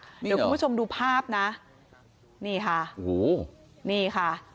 เดี๋ยวคุณผู้ชมดูภาพนะนี่ค่ะโอ้โหนี่ค่ะ